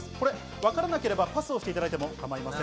分からなかったらパスをしていただいて構いません。